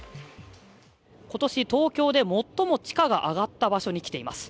今年、東京で最も地価が上がった場所に来ています。